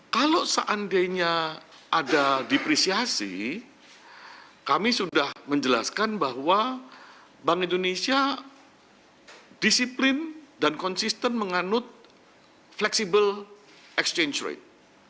kalau seandainya ada depresiasi kami sudah menjelaskan bahwa bank indonesia disiplin dan konsisten menganut flexible exchange rate